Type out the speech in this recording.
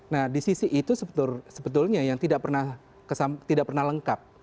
nah di sisi itu sebetulnya yang tidak pernah lengkap